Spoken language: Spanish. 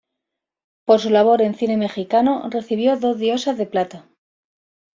Por su labor en cine mexicano, recibió Dos Diosas de Plata.